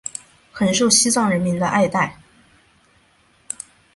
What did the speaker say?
很受西藏人民的爱戴。